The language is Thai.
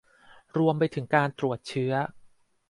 รวมไปถึงการตรวจเชื้อ